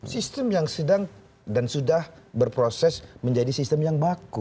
sistem yang sedang dan sudah berproses menjadi sistem yang baku